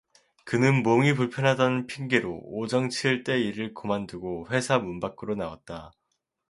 그는 몸이 불편하다는 핑계로 오정 칠 때 일을 고만두고 회사 문 밖으로나 왔다.